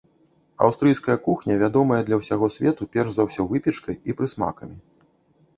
Аўстрыйская кухня вядомая для ўсяго свету перш за ўсё выпечкай і прысмакамі.